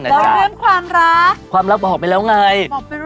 แล้วเพิ่มความรักความรับออกไปแล้วไง